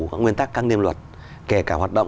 các nguyên tắc các nghiêm luật kể cả hoạt động